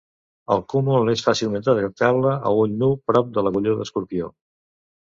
El cúmul és fàcilment detectable a ull nu prop de l'agulló d'Escorpió.